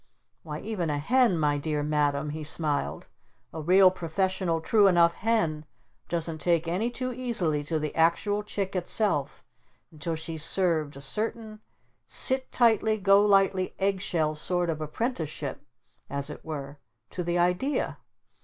Why even a Hen, my dear Madam," he smiled, "a real professional true enough hen doesn't take any too easily to the actual chick itself until she's served a certain sit tightly, go lightly, egg shell sort of apprenticeship as it were to the IDEA.